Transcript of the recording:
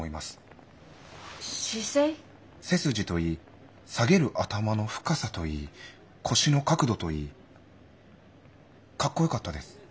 背筋といい下げる頭の深さといい腰の角度といいかっこよかったです。